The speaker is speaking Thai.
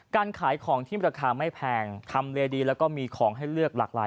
การขายของที่ราคาไม่แพงทำเลดีแล้วก็มีของให้เลือกหลากหลาย